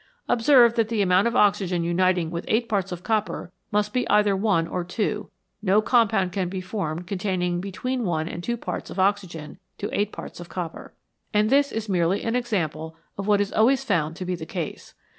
Observe that the amount of oxygen uniting with eight parts of copper must be either one or two ; no compound can be formed containing between one and two parts of oxygen to eight parts of copper. And this is merely an example of what is always found to be the case.